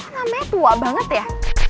namanya tua banget ya